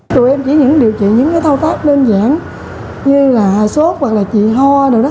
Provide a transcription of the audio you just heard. tụi em chỉ những điều trị những thao tác đơn giản như là sốt hoặc là chị hoa đều đó